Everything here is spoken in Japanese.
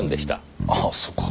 ああそうか。